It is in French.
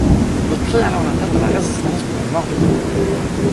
Il prit alors la tête de la Résistance pour le Morbihan.